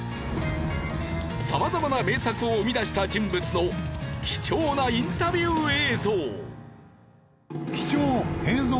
様々な名作を生み出した人物の貴重なインタビュー映像。